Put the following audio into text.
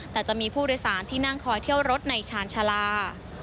แต่จะมีผู้โดยสารที่นั่งคอยเที่ยวรถในชาญชาลา